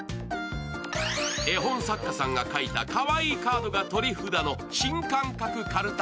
絵本作家さんが描いたかわいいカードが取り札の新感覚かるた